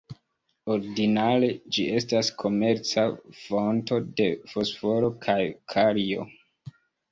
Ordinare, ĝi estas komerca fonto de fosforo kaj kalio.